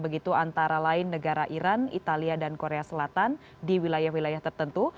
begitu antara lain negara iran italia dan korea selatan di wilayah wilayah tertentu